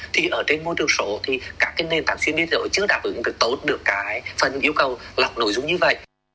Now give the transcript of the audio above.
thì ở trên môi trường số thì các cái nền tảng xuyên biên giới chưa đáp ứng được tốt được cái phần yêu cầu lọc nội dung như vậy